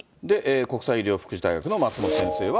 国際医療福祉大学の松本先生は。